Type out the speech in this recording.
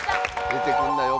出てくるなよ